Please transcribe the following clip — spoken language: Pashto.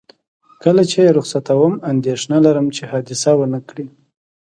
کله چې یې رخصتوم، اندېښنه لرم چې حادثه ونه کړي.